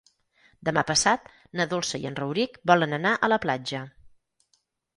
Demà passat na Dolça i en Rauric volen anar a la platja.